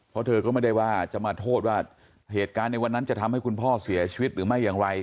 เพราะเธอก็ไม่ได้ว่าจะมาโทษว่าเหตุการณ์ในวันนั้นจะทำให้คุณพ่อเสียชีวิตหรือไม่อย่างไร